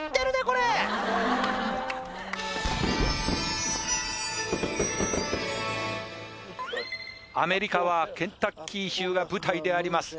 これアメリカはケンタッキー州が舞台であります